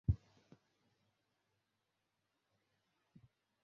সব মেয়েরা আমার চুমুর জন্য পাগল।